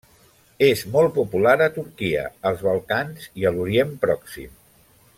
És molt popular a Turquia, els Balcans, i a l'Orient Pròxim.